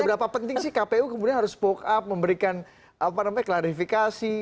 seberapa penting sih kpu kemudian harus spoke up memberikan klarifikasi